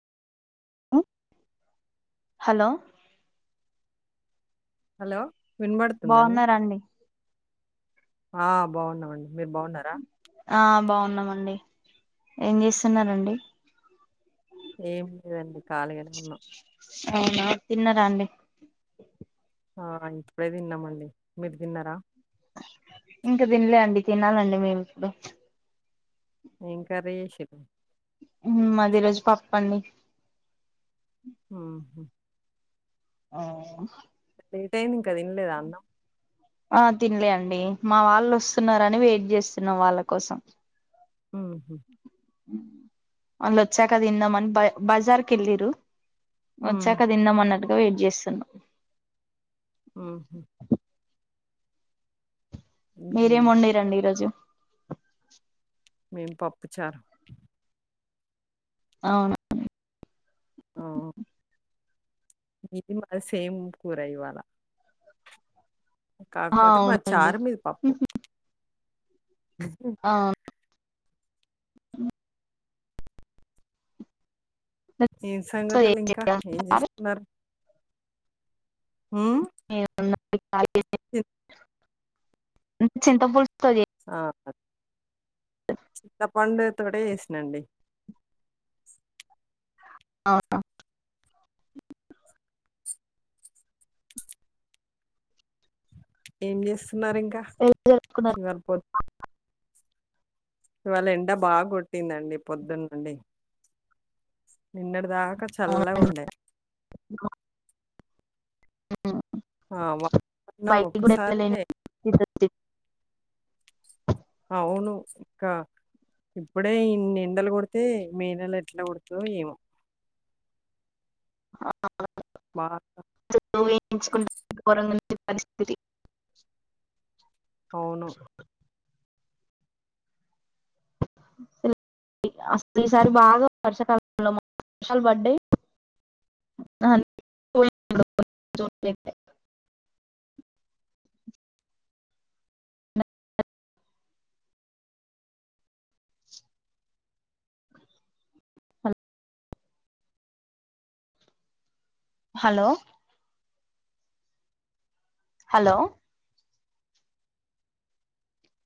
మ్మ్ hello hello వినబడుతుంద అండి బాగున్నారండి ఆ బాగున్నామండి మీరు బాగున్నారా ఆ బాగున్నామండి ఏం చేస్సున్నారండి ఏం లేదండి కాలిగానే ఉన్నా అవునా తిన్నర అండి ఆ ఇప్పుడే తిన్నామండి మీరు తిన్నారా ఇంకా తినలే అండి తినాలండి మేమి ఇప్పుడు ఏం కర్రీ చేసిరూ మాది యిరోజ్ పప్పండి ఆహా ఆ ఎంతయింది ఇంకా తిన్లేద అన్నం ఆ తినలే అండి మా వాళ్ళు వస్తున్నారని వెయిట్ చేస్తున్నాం వాళ్ళ కోసం ఉహుమ్ అల్లు వచ్చాక తిందామని బా బజార్ కెళ్లూరు హ్మ్. వచ్చాక తిందమ్మన్నట్టు ఇకా వెయిట్ చేస్తున్నా ఉహుమ్ మీరేం హ్మ్. ఒందిరండి ఈరోజు మేం పప్పుచారు అవునా ఆ ఓ మ మ సేమ్ కూర ఇవాళ ఆ కాకపోతే మా అవునండి చారు మీద పప్పు హు హుమ్ అవును ఏ సంగతులు ఇంకా ఏం చేస్తున్నారు ఉమ్ అ మంచ్ ఇంథా ఆ చిత్తపండు తోటె చేసినండి అవునా ఏం చేస్ స్తున్నారు ఇంకా ఎలా జరుపుకున్నారు? చింగారిపోద్ ఇవాళ ఎండ బాగా కొట్టిందండి పొద్దున్నండి నిన్నటి దాకా చల్లవుండే అ ఆ వాతావరణం కూడా ఒకసారి వెళ్ళలేని పరిస్థితి. అవును ఇంకా ఇప్పుడే ఇన్ని ఎండలు కొడితే మే నెలు ఎట్లా కుడుత ఏమో ఆ బా [unintelligible] అవును అసలు ఈసారి బాగా వర్షాకాలంలోష [unintelligible] శాల పడ్డాయి [unintelligible] హలో హలో